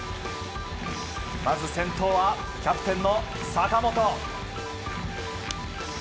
まず先頭はキャプテンの坂本。